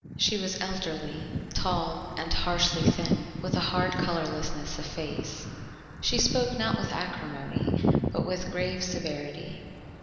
She was elderly, tall, and harshly thin, with a hard colourlessness of face. She spoke not with acrimony, but with grave severity.